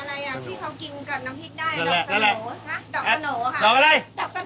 อะไรอ่ะที่เค้ากินกับน้ำพริกได้ดอกสโหน่อ